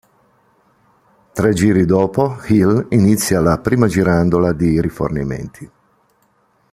Tre giri dopo Hill inizia la prima girandola di rifornimenti.